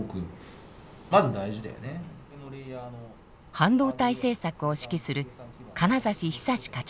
半導体政策を指揮する金指壽課長です。